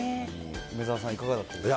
梅沢さん、いかがだったですか。